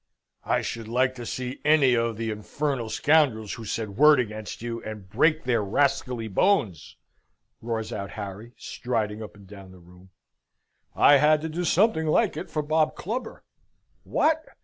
"I should like to see any of the infernal scoundrels who said word against you, and break their rascally bones," roars out Harry, striding up and down the room. "I had to do something like it for Bob Clubber." "What!